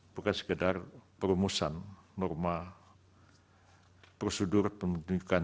bukan sekadar perumusan merubah masyarakat dan yg berperan dengan perintah perintahan